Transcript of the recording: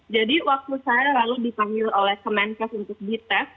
jadi waktu saya lalu dipanggil oleh kemenkes untuk di tes